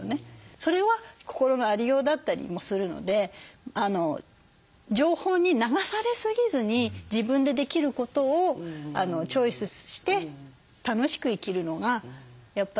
それは心のありようだったりもするので情報に流されすぎずに自分でできることをチョイスして楽しく生きるのがやっぱりいいんじゃないかなって。